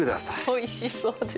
おいしそうです。